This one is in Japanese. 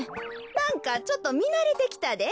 なんかちょっとみなれてきたで。